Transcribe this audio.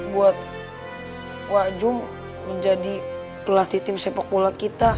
buat wa jum menjadi pelatih tim sepak bola kita